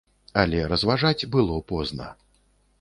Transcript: Але разважаць было позна.